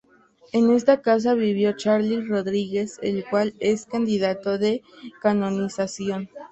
En esta casa vivió Charlie Rodríguez el cual es candidato de canonización.